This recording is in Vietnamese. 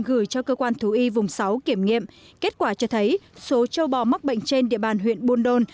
gửi cho cơ quan thú y vùng sáu kiểm nghiệm kết quả cho thấy số châu bò mắc bệnh trên địa bàn huyện buôn đôn